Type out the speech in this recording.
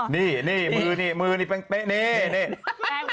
นี่มือนี้